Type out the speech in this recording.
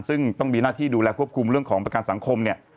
ซึ่งต้องมีหน้าที่ดูแลควบคุมเรื่องของประกันสังคมเนี่ย